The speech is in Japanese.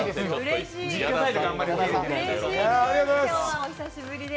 今日はお久しぶりで。